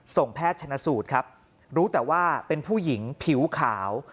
แพทย์ชนสูตรครับรู้แต่ว่าเป็นผู้หญิงผิวขาว